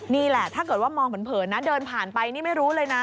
นี่แหละถ้าเกิดว่ามองเผินนะเดินผ่านไปนี่ไม่รู้เลยนะ